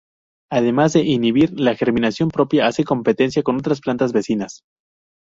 Además de inhibir la germinación propia, hace competencia con otras plantas vecinas.